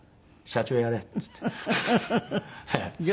「社長やれ」っつって。